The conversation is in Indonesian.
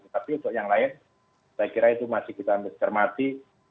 tapi untuk yang lain saya kira itu masih kita cermati